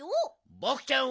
ボクちゃん